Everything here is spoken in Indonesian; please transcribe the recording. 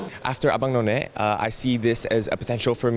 setelah abang noni aku melihat ini sebagai potensi untuk aku